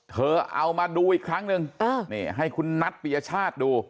เธอเอามาดูอีกครั้งนึงนี่ให้คุณนัทปียชาติดู